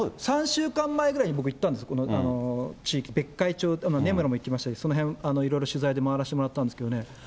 ３週間ぐらい前に僕行ったんです、この地域、別海町とか、根室も行きましたし、そのへんいろいろ取材で回らせてもらったんですけどね。